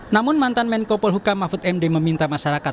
namun mantan menko polhukam mahfud md meminta masyarakat